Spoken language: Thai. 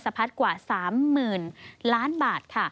สะพัดกว่า๓๐๐๐๐ล้านบาท